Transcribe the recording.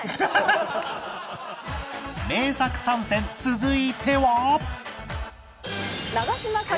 名作３選続いては